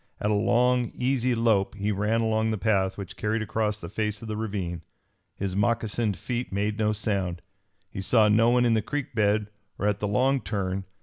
At a long, easy lope he ran along the path which carried across the face of the ravine. His moccasined feet made no sound. He saw no one in the creek bed or at the long turn.